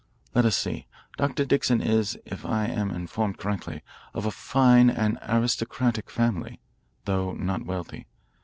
Let us see. Dr. Dixon is, if I am informed correctly, of a fine and aristocratic family, though not wealthy.